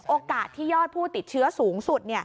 โอกาสที่ยอดผู้ติดเชื้อสูงสุด